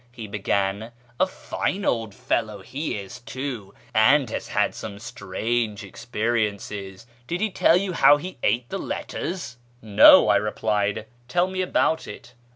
he began ;" a fine old fellow he is, too, and has had some strange experiences. Did he tell you how he ate the letters ?"" No," I replied ;" tell me about it."